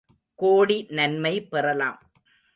கோடி நன்மை பெறலாம்.